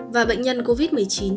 và bệnh nhân covid một mươi chín